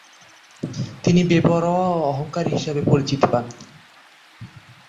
তিনি বেপরোয়া ও অহংকারী হিসেবে পরিচিতি পান।